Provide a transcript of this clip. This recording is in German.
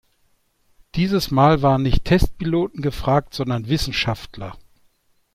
Dieses Mal waren nicht Testpiloten gefragt, sondern Wissenschaftler.